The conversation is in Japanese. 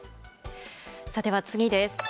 さては次です。